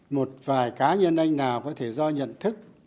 một vài cá nhân anh nào có thể do nhận thức